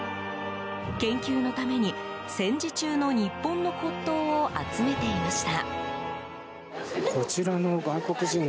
研究のために戦時中の日本の骨董を集めていました。